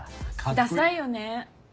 ダサいよね。